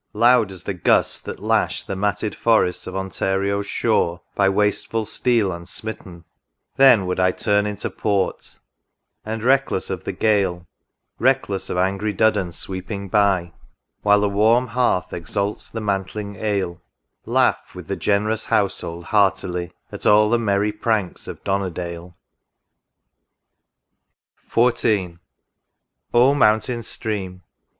loud as the gusts that lash The matted forests of Ontario's shore By wasteful steel unsmitten, then would I Turn into port, — and, reckless of the gale, Reckless of angry Duddon sweeping by, While the warm hearth exalts the mantling ale, Laugh with the generous household heartily, At all the merry pranks of Donnerdale ! 16 THE RIVER DUDDON. i| XIV. O Mountain Stream